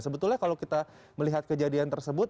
sebetulnya kalau kita melihat kejadian tersebut